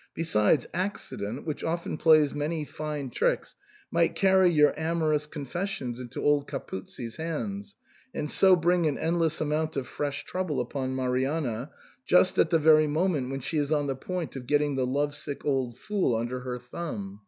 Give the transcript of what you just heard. Besides, acci dent, which often plays many fine tricks, might carry your amorous confessions into old Capuzzi's hands, and so bring an endless amount of fresh trouble upon Marianna, just at the very moment when she is on the point of getting the lovesick old fool under her thumb.